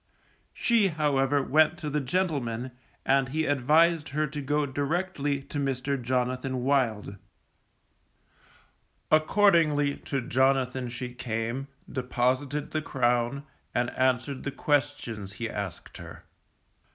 She however, went to the gentleman, and he advised her to go directly to Mr. Jonathan Wild. Accordingly to Jonathan she came, deposited the crown, and answered the questions she asked him.